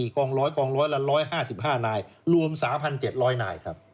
๒๔กองร้อยและ๑๕๕นายรวมสาว๑๗๐๐นายครับ